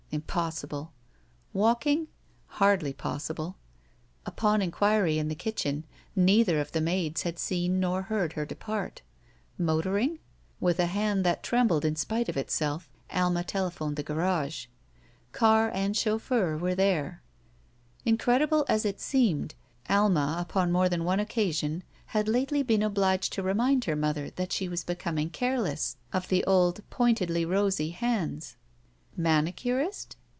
Impossible! Walking? Hardly possible. Upon inqtiiry in the kitchen, neither of the maids had seen nor heard her depart. Motoring? With a hand that trembled in spite of itself Alma telephoned the garage. Car and chauf feur were there. Incredible as it seemed. Alma, upon more than one occasion, had lately been obliged to remind her mother that she was becoming careless of the old pointedly rosy hands. Mani curist?